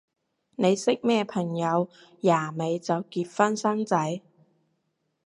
你識咩朋友廿尾就結婚生仔？